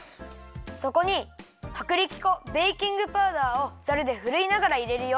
そこにはくりき粉ベーキングパウダーをザルでふるいながらいれるよ。